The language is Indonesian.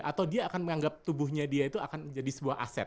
atau dia akan menganggap tubuhnya dia itu akan menjadi sebuah aset